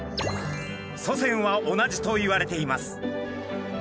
祖先は同じといわれています。